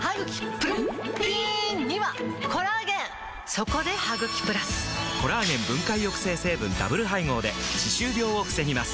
そこで「ハグキプラス」！コラーゲン分解抑制成分ダブル配合で歯周病を防ぎます